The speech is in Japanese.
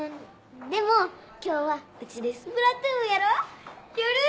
でも今日は家で『スプラトゥーン』やろ？やる！